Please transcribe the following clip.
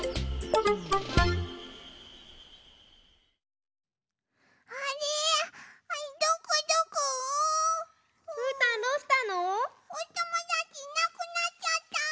おともだちいなくなっちゃった！